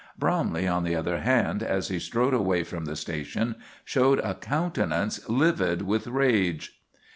Bromley, on the other hand, as he strode away from the station, showed a countenance livid with rage.